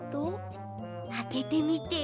あけてみて。